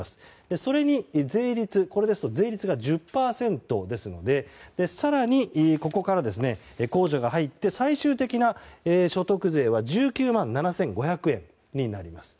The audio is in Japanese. それに税率１０％ですので更に、ここから控除が入って最終的な所得税は１９万７５００円になります。